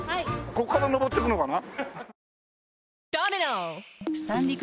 ここから上っていくのかな？